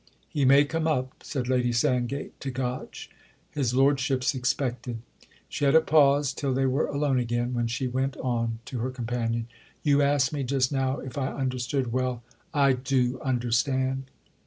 "He may come up," said Lady Sandgate to Gotch. "His lordship's expected." She had a pause till they were alone again, when she went on to her companion: "You asked me just now if I understood. Well—I do understand!"